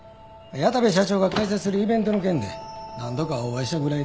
矢田部社長が開催するイベントの件で何度かお会いしたぐらいで。